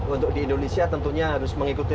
untuk di indonesia tentunya harus mengikuti